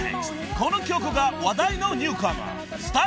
この曲が話題のニューカマー。